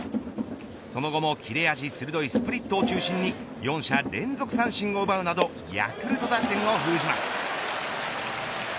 その後も、切れ味鋭いスプリットを中心に４者連続三振を奪うなどヤクルト打線を封じます。